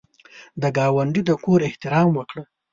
د ګاونډي د کور احترام وکړه